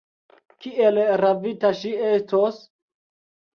Kiel ravita ŝi estos!